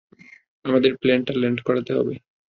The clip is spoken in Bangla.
আমাদের প্লেন টা ল্যান্ড করাতে হবে!